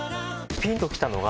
ピンときたのが。